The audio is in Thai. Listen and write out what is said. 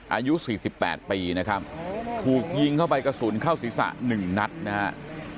อายุ๔๘ปีนะครับถูกยิงเข้าไปกระสุนเข้าศีรษะ๑นัดนะครับ